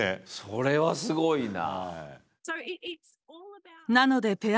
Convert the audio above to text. それはすごいな。